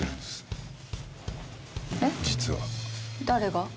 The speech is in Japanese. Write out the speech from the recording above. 誰が？